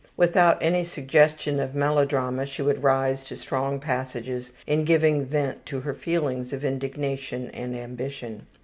Without any suggestion of melodrama she would rise to strong passages in giving vent to her feelings of indignation and ambition.